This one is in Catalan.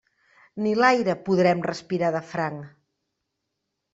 Ni l'aire podrem respirar de franc.